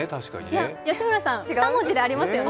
吉村さん、２文字でありますよね？